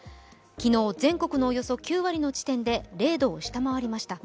昨日、全国のおよそ９割の地点で０度を下回りました。